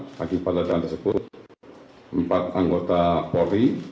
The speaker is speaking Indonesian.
mengakibatkan tersebut empat anggota pores